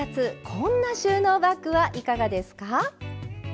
こんな収納バッグはいかがですか？